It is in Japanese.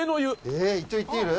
ええ一応行ってみる？